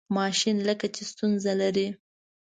ماشین لکه چې ستونزه لري.